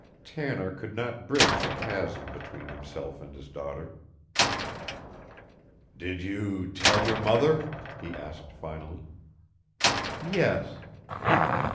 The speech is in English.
Tanner could not bridge the chasm between himself and his daughter. "Did you tell your mother?" he asked finally. "Yes."